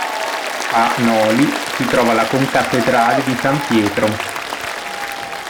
A Noli si trova la concattedrale di San Pietro.